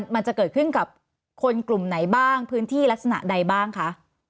มันจะเกิดขึ้นกับคนกลุ่มไหนบ้างพื้นที่ลักษณะใดบ้างคะ